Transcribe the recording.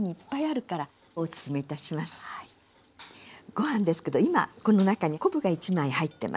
ご飯ですけど今この中に昆布が１枚入ってます。